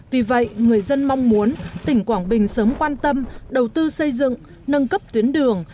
vì vậy người dân mong muốn tỉnh quảng bình sớm quan tâm đầu tư xây dựng nâng cấp tuyến đường